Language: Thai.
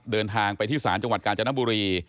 เดินทางไปที่ศาลจังหวัดกาญจนบุรี